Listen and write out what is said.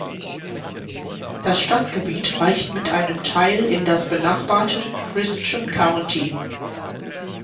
Das Stadtgebiet reicht mit einem Teil in das benachbarte Christian County.